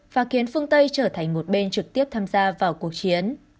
và khiến phương tây trở thành một bên trực tiếp tham gia vào cuộc chiến